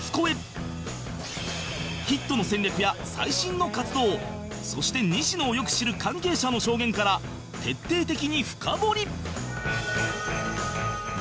ヒットの戦略や最新の活動そして西野をよく知る関係者の証言から徹底的に深掘り